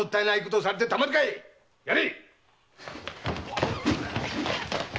やれ！